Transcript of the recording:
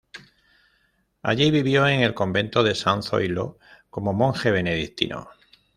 Allí, vivió en el Convento de San Zoilo, como monje benedictino.